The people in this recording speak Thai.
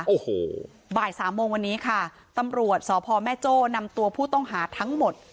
โอ้โหบ่ายสามโมงวันนี้ค่ะตำรวจสพแม่โจ้นำตัวผู้ต้องหาทั้งหมด